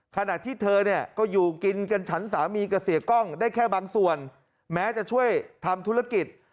ขณะที่เธอเนี่ยก็อยู่กินกันฉันสามีกับเสียกล้องได้แค่บางส่วนแม้จะช่วยทำธุรกิจ